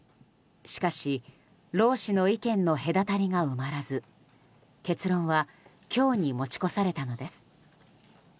しかし労使の意見の隔たりが埋まらず結論は今日に持ち越されたのです。